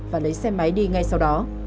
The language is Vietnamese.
và lấy xe máy đi ngay sau đó